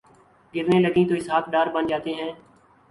گرنے لگیں تو اسحاق ڈار بن جاتے ہیں۔